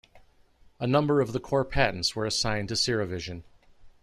A number of the core patents were assigned to Ceravision.